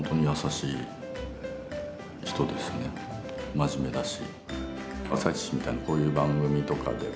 真面目だし。